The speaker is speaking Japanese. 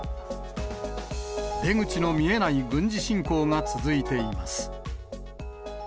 出口の見えない軍事侵攻が続いています。